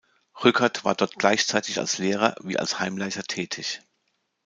Rückert war dort gleichzeitig als Lehrer wie als Heimleiter tätig.